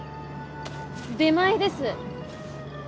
出前です。